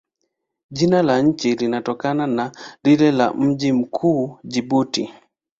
Jina la nchi linatokana na lile la mji mkuu, Jibuti.